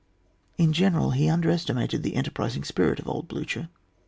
In general, he under estimated the enterprising spirit of old Blucher.